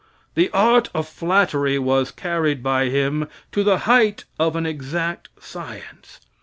The art of flattery was carried by him to the height of an exact science.